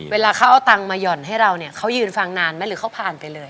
เวลาเขาเอาตังค์มาหย่อนให้เราเนี่ยเขายืนฟังนานไหมหรือเขาผ่านไปเลย